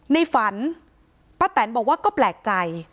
ในฝันป้าแตนบอกว่าก็แปลกใจ